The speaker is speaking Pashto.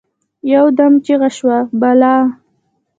يودم چیغه شوه: «بلا!»